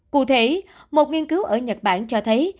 cụ thể một nghiên cứu ở nhật bản cho thấy